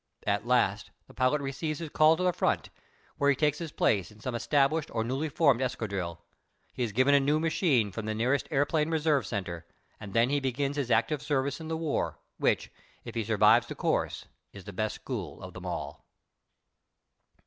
At last the pilot receives his call to the front, where he takes his place in some established or newly formed escadrille. He is given a new machine from the nearest airplane reserve centre, and he then begins his active service in the war, which, if he survives the course, is the best school of them all.